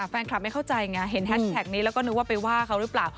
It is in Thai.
แฟนคลับไม่เข้าใจไงเห็นแฮชแท็กนี้แล้วก็นึกว่าไปว่าเขาหรือเปล่า